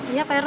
iya pak rw